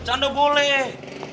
bercanda boleh eh